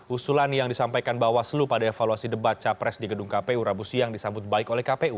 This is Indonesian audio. usulan yang disampaikan bawaslu pada evaluasi debat capres di gedung kpu rabu siang disambut baik oleh kpu